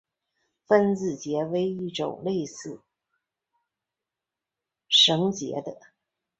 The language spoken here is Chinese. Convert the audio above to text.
分子结为一种类似绳结的。